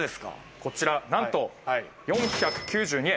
こちらなんと４９２円！